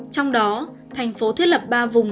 trong đó thành phố thiết lập ba vùng